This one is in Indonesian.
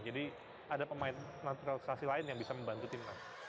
ada pemain naturalisasi lain yang bisa membantu timnas